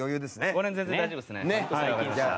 ５年全然大丈夫っすね。